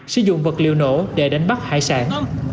sử dụng vật liệu nổ để đánh bắt hải sản